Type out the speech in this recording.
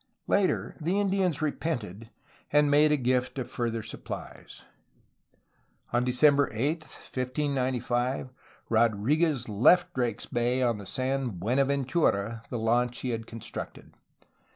Later, the Indians repented, and made a gift of further supplies. On December 8, 1595, Rodriguez left Drake's Bay on the San Buenaventura^ the launch he had constructed.